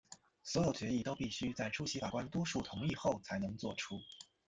所有决议都必须在出席法官多数同意后才能做出。